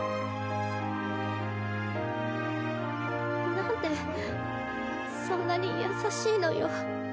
なんでそんなに優しいのよ。